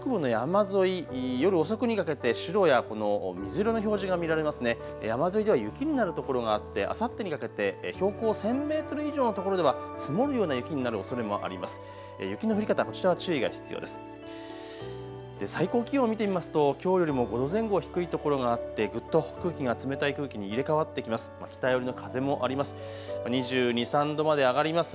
山沿いでは雪になるところがあってあさってにかけて標高１０００メートル以上のところでは積もるような雪になるおそれもあります。